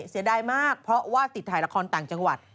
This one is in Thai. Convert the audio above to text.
เสียดายมากเพราะว่าติดถ่ายละครต่างจังหวัด